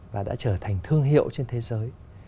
và đã trở thành thương hiệu trên thế giới